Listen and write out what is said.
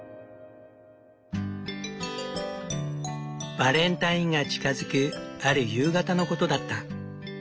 バレンタインが近づくある夕方のことだった。